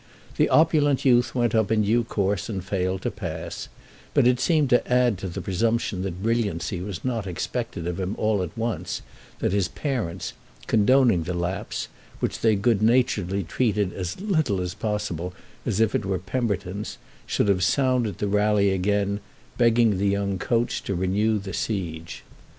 The opulent youth went up in due course and failed to pass; but it seemed to add to the presumption that brilliancy was not expected of him all at once that his parents, condoning the lapse, which they good naturedly treated as little as possible as if it were Pemberton's, should have sounded the rally again, begged the young coach to renew the siege.